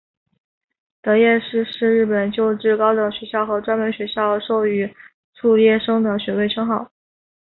得业士是日本旧制高等学校和专门学校授与卒业生的学位称号。